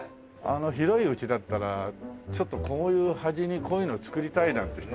広い家だったらちょっとこういう端にこういうの造りたいなんて人もね。